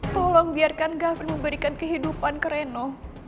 tolong biarkan gap memberikan kehidupan ke reno